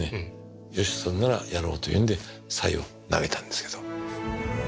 「よしそれならやろう」というんでさいを投げたんですけど。